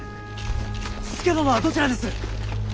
佐殿はどちらです！